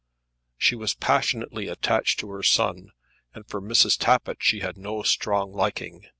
She was passionately attached to her son, and for Mrs. Tappitt she had no strong liking.